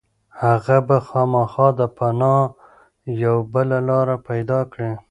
هغه به خامخا د پناه یوه بله لاره پيدا کړي.